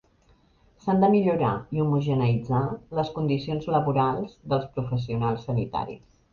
S'han de millorar i homogeneïtzar les condicions laborals dels professionals sanitaris.